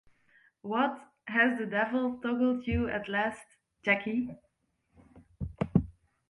What, has the devil toggled you at last, Jacky?